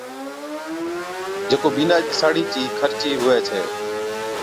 جڪو بِينڏا چِي ساڙِي چِي خرچي ھُوي ڇَي